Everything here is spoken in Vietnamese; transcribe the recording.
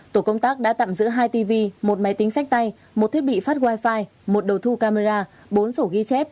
tổ công tác đã tạm giữ hai tv một máy tính sách tay một thiết bị phát wifi một đầu thu camera bốn sổ ghi chép